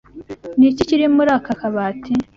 Ni iki kiri muri aka kabati?